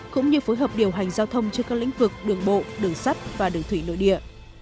cũng như phối hợp điều hành giao thông trên các lĩnh vực đường bộ đường sắt và đường thủy nội địa